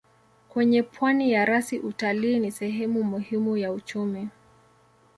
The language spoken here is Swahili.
Kwenye pwani ya rasi utalii ni sehemu muhimu ya uchumi.